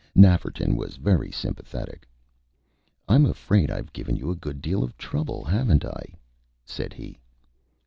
Nafferton was very sympathetic. "I'm afraid I've given you a good deal of trouble, haven't I?" said he.